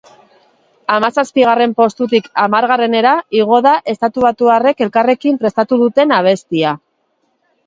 Hamazazpigarren postutik hamargarrenera igo da estatubatuarrek elkarrekin prestatu duten abestia.